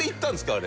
あれ。